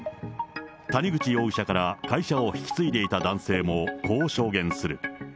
谷口容疑者から会社を引き継いでいた男性も、こう証言する。